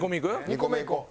２個目いこう。